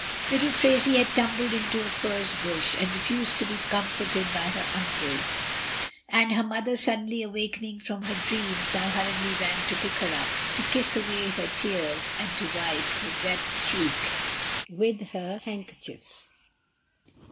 Little Phraisie had tumbled into a furze bush, and refused to be comforted by her uncles; and her mother, suddenly awakening from her dreams, now hurriedly ran to pick her up, to kiss away her tears, and wipe her wet cheek with her handkerchief.